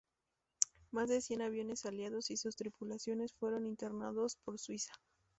Más de cien aviones aliados y sus tripulaciones fueron internados por Suiza.